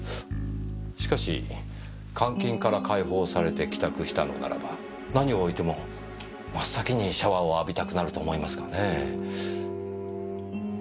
しかし監禁から解放されて帰宅したのならば何をおいても真っ先にシャワーを浴びたくなると思いますがね。